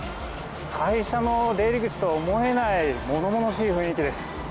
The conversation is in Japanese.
会社の出入り口と思えない、ものものしい雰囲気です。